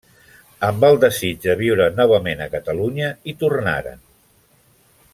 Amb el desig de viure novament a Catalunya, hi tornaren.